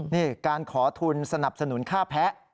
นี่การขอทุนสนับสนุนค่าแพ้